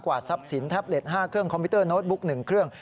ทรัพย์สินแท็บเล็ต๕เครื่องคอมพิวเตอร์โน้ตบุ๊ก๑เครื่อง